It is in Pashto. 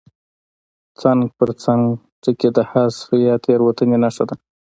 څنګ پر څنګ ټکي د حذف یا تېرېدنې نښه ده.